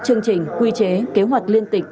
chương trình quy chế kế hoạch liên tịch